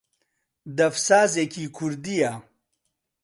دەف سازێکی کوردییە